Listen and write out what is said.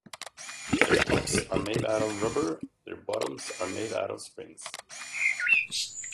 Their tops are made out of rubber, their bottoms are made out of springs.